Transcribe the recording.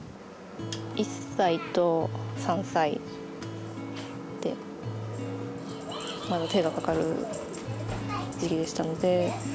１歳と３歳ってまだ手がかかる時期でしたので。